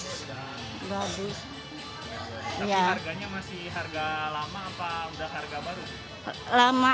tapi harganya masih harga lama apa udah harga baru